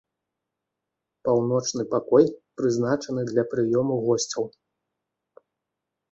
Паўночны пакой прызначаны для прыёму госцяў.